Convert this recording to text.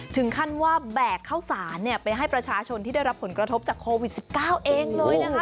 ถึงขั้นว่าแบกข้าวสารไปให้ประชาชนที่ได้รับผลกระทบจากโควิด๑๙เองเลยนะคะ